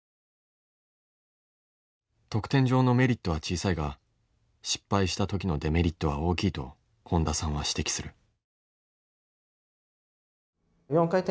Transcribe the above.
得点上のメリットは小さいが失敗した時のデメリットは大きいと本田さんは指摘する。